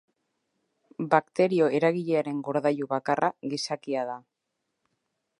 Bakterio eragilearen gordailu bakarra gizakia da.